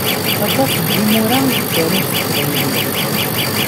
Aṭas n yimura i yettarun s teqbaylit.